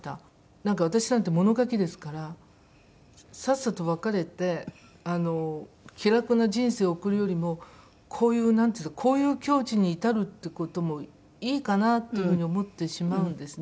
なんか私なんて物書きですからさっさと別れて気楽な人生を送るよりもこういうなんていうかこういう境地に至るって事もいいかなっていう風に思ってしまうんですね。